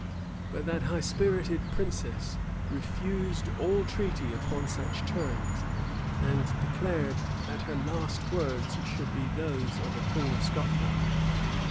[*] But that high spirited princess refused all treaty upon such terms, and declared that her last words should be those of a queen of Scotland.